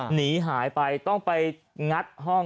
หนีหายไปต้องไปงัดห้อง